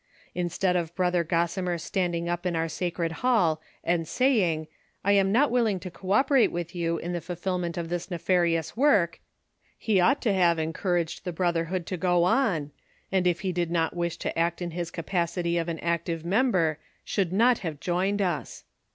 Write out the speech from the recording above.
Instead of Brother Gossimer standing up in our sacred hall, and saying :' I am not wil ling to co operate with you in tlie fulhlment of this nefari ous work,' he ouglit to have encouraged the brotherhood to go on, and if he did not wish to act in his capacity of an active member, should not have joined us.